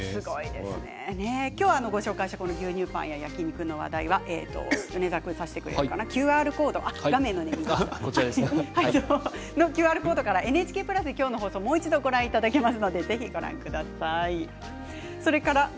今日ご紹介した牛乳パンや焼き肉の話題はＱＲコードからＮＨＫプラスでもう一度ご覧いただけます。